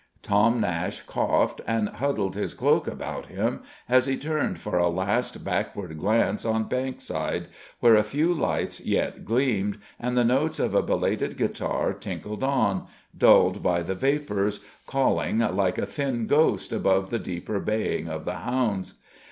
Tom Nashe coughed and huddled his cloak about him, as he turned for a last backward glance on Bankside, where a few lights yet gleamed, and the notes of a belated guitar tinkled on, dulled by the vapours, calling like a thin ghost above the deeper baying of the hounds.